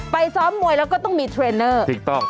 ซ้อมมวยแล้วก็ต้องมีเทรนเนอร์ถูกต้อง